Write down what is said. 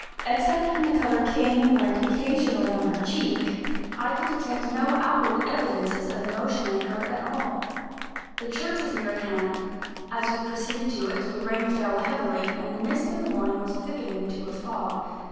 Except when the colour came and went occasionally on her cheek, I could detect no outward evidences of emotion in her at all. The church was near at hand. As we proceeded to it, the rain fell heavily, and the mist of the morning was thickening to a fog.